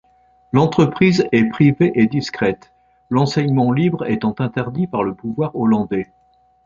L’entreprise est privée et discrète, l’enseignement libre étant interdit par le pouvoir hollandais.